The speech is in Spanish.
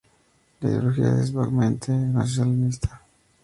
La ideología es vagamente nacionalista.